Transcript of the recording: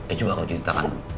eh coba kau ceritakan